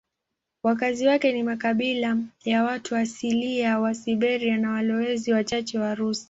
Wakazi wake ni makabila ya watu asilia wa Siberia na walowezi wachache Warusi.